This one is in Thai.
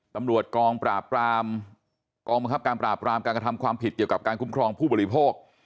ตำรวจกองปราบรามกองบังคับการปราบรามการกระทำความผิดเกี่ยวกับการคุ้มครองผู้บริโภค